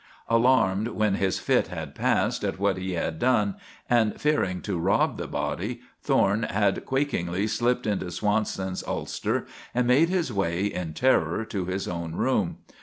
Alarmed, when his fit had passed, at what he had done, and fearing to rob the body, Thorne had quakingly slipped into Swanson's ulster and made his way in terror to his own room.